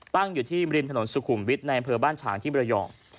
ตั้งอยู่ที่ริมถนนสุขุมวิทย์ในอำเภอบ้านฉางที่มรยอง